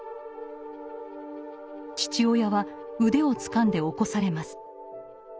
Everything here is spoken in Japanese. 父親は腕をつかんで起こされます。